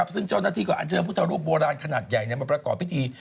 ซึ่งเจ้าหน้าที่ก็อันเชิญพุทธรูปโบราณขนาดใหญ่มาประกอบพิธี